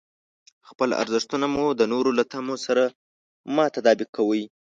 خپل ارزښتونه مو د نورو له تمو سره مه تطابق کوئ.